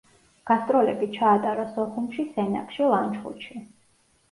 გასტროლები ჩაატარა სოხუმში, სენაკში, ლანჩხუთში.